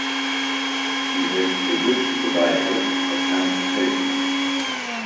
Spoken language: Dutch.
U heeft bewust geweigerd het hem te geven.